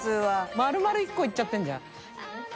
丸々１個いっちゃってるじゃん。